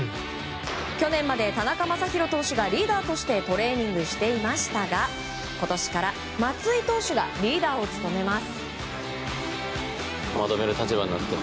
去年まで田中将大投手がリーダーとしてトレーニングしていましたが今年から松井投手がリーダーを務めます。